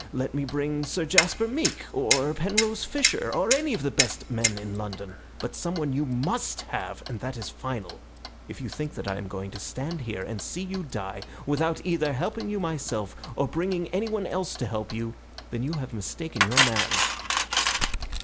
Let me bring Sir Jasper Meek or Penrose Fisher, or any of the best men in London. But someone you MUST have, and that is final. If you think that I am going to stand here and see you die without either helping you myself or bringing anyone else to help you, then you have mistaken your man."